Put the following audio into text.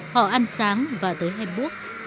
họ ăn sáng và tới hamburg